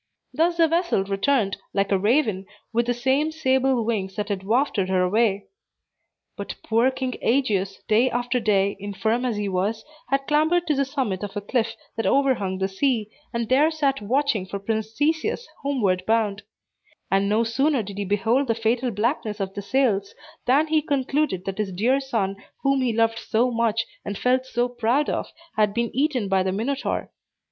Thus the vessel returned, like a raven, with the same sable wings that had wafted her away. But poor King Aegeus, day after day, infirm as he was, had clambered to the summit of a cliff that overhung the sea, and there sat watching for Prince Theseus, homeward bound; and no sooner did he behold the fatal blackness of the sails, than he concluded that his dear son, whom he loved so much, and felt so proud of, had been eaten by the Minotaur.